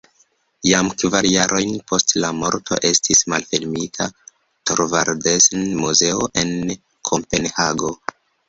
Jam kvar jarojn post la morto estis malfermita Thorvaldsen-muzeo en Kopenhago.